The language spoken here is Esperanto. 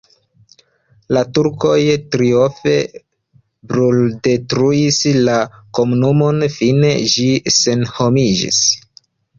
La turkoj trifoje bruldetruis la komunumon, fine ĝi senhomiĝis.